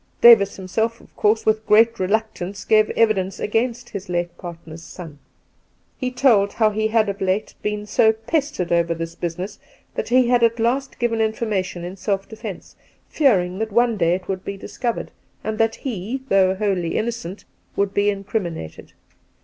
Davis himself of course with great reluctance gave evidence against his late partner's son. He told how he had of late been so pestered over this business that he had at last given information in self defence, fearing that one day it would be discovered, and that he, though wholly innocent, would be incriminated.